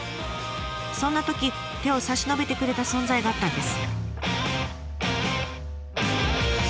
そんなとき手を差し伸べてくれた存在があったんです。